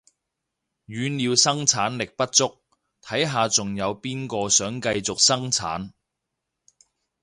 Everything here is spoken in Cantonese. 語料生產力不足，睇下仲有邊個想繼續生產